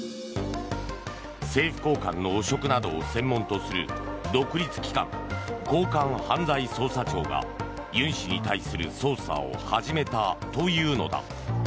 政府高官の汚職などを専門とする独立機関、高官犯罪捜査庁がユン氏に対する捜査を始めたというのだ。